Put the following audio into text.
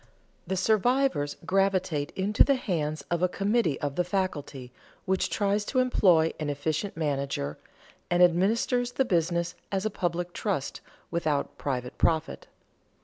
The survivors gravitate into the hands of a committee of the faculty, which tries to employ an efficient manager, and administers the business as a public trust without private profit.